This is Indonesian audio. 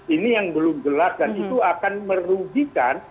ini yang belum jelas dan itu akan merugikan